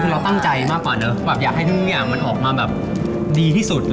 พี่เราอ่ะตั้งใจมากกว่าอยากให้ทุกอย่างมันออกมาดีที่สุด